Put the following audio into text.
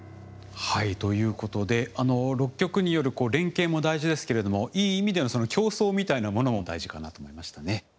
ということで６局による連携も大事ですけれどもいい意味での競争みたいなものも大事かなと思いましたね。